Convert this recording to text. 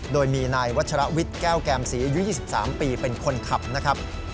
โดยมีนายวัชรวิทย์แก้วแกมศรีอายุ๒๓ปีเป็นคนขับนะครับ